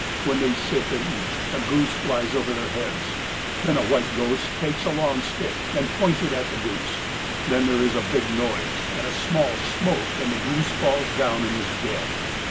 "When they sit and eat, a goose flies over their heads. Then a white ghost takes a long stick, and points it at the goose. Then there is a big noise, and a small smoke, and the goose falls down, and is dead.